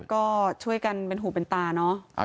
ก็ช่วยกันเป็นหูเป็นตาเนอะ